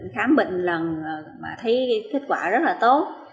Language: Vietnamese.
khám bệnh lần mà thấy kết quả rất là tốt